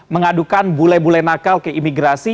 mengadukan bule bule nakal ke imigrasi